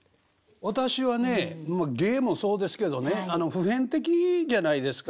私はねまあ芸もそうですけどね普遍的じゃないですか。